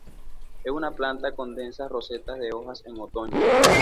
Es una planta con densas rosetas de hojas en otoño.